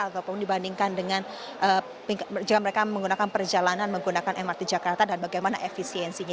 ataupun dibandingkan dengan jika mereka menggunakan perjalanan menggunakan mrt jakarta dan bagaimana efisiensinya